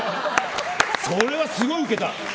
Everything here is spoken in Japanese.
それはすごいウケた。